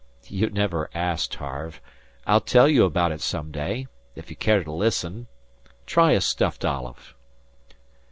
"You never asked, Harve. I'll tell you about it some day, if you care to listen. Try a stuffed olive."